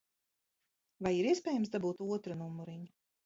Vai ir iespējams dabūt otru numuriņu?